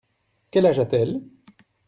Quel âge a-t-elle ?